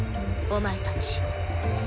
お前たち。